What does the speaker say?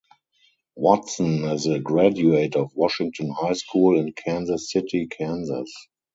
Watson is a graduate of Washington High School in Kansas City, Kansas.